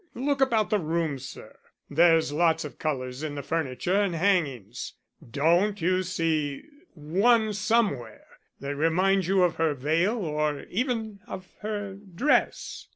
"Look about the room, sir. There's lots of colors in the furniture and hangings. Don't you see one somewhere that reminds you of her veil or even of her dress?"